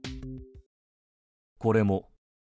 これも。